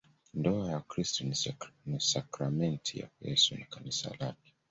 Ndoa ya Wakristo ni sakramenti ya Yesu na Kanisa lake.